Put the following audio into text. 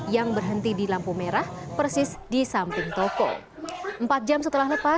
yang berhenti di lampu merah persis di samping toko empat jam setelah lepas